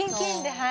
はい。